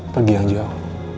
pergi yang jauh